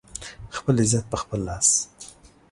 خپل عزت په خپل لاس